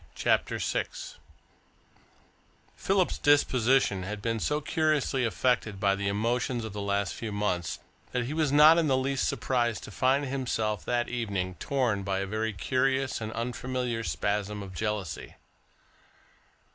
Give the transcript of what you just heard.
CHAPTER VI Philip's disposition had been so curiously affected by the emotions of the last few months that he was not in the least surprised to find himself, that evening, torn by a very curious and unfamiliar spasm of jealousy.